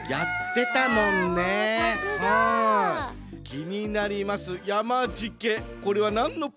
きになりますやまじけこれはなんのポーズですか？